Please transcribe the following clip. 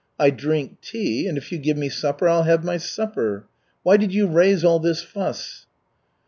I drink tea, and if you give me supper, I'll have my supper. Why did you raise all this fuss?"